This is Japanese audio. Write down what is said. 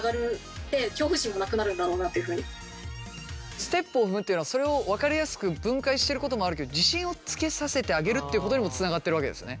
ステップを踏むっていうのはそれを分かりやすく分解してることもあるけど自信をつけさせてあげるっていうことにもつながってるわけですよね。